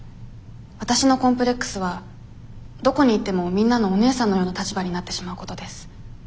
わたしのコンプレックスはどこに行ってもみんなのお姉さんのような立場になってしまうことです。